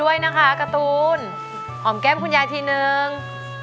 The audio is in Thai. คุณยายแดงคะทำไมต้องซื้อลำโพงและเครื่องเสียง